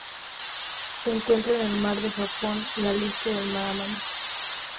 Se encuentra en el Mar del Japón y al este del Mar Amarillo.